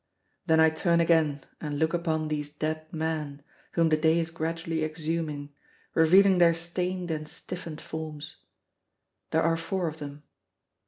Then I turn again and look upon these dead men whom the day is gradually exhuming, revealing their stained and stiffened forms. There are four of them.